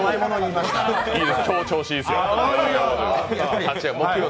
今日、調子いいですよ。